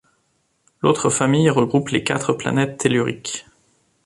L'autre famille regroupe les quatre planètes telluriques.